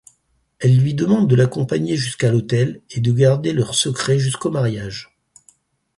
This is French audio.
Elle lui demande de l'accompagner jusqu'à l'autel et de garder leur secret jusqu'au mariage.